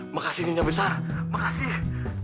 makasih nyonya besar makasih